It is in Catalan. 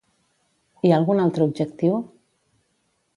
Hi ha algun altre objectiu?